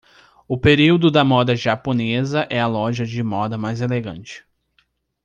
O período da moda japonesa é a loja de moda mais elegante